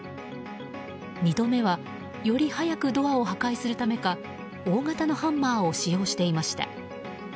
２度目はより速くドアを破壊するためか大型のハンマーを使用していました。